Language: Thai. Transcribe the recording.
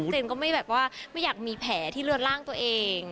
ก็ไม่แบบว่าไม่อยากมีแผลที่เลือดล่างตัวเอง